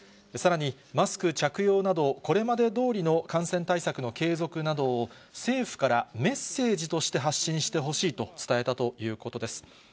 さらに、マスク着用など、これまでどおりの感染対策の継続などを、政府からメッセージとして発信してほしいと伝えたということです。